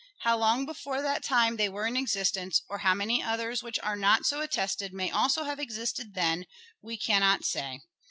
How long before that time they were in existence, or how many others which are not so attested may also have existed then, we cannot say.